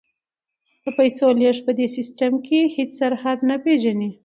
د پیسو لیږد په دې سیستم کې هیڅ سرحد نه پیژني.